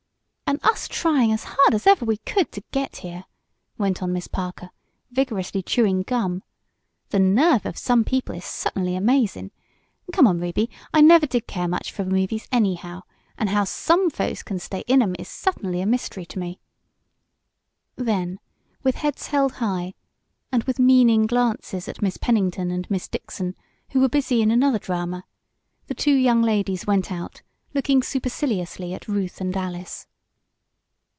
"An' us tryin' as hard as ever we could to get here!" went on Miss Parker, vigorously chewing gum. "The nerve of some people is suttinly amazin'! Come on, Ruby, I never did care much for movies anyhow, an' how some folks can stay in 'em is suttinly a mystery to me!" Then, with heads held high, and with meaning glances at Miss Pennington and Miss Dixon, who were busy in another drama, the two young ladies went out, looking superciliously at Ruth and Alice.